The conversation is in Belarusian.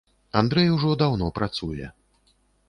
Андрэй ужо даўно працуе.